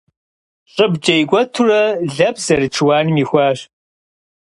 Щӏыбкӏэ икӏуэтурэ лэпс зэрыт шыуаным ихуащ.